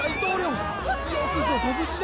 よくぞご無事で。